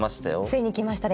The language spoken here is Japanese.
ついに来ましたね。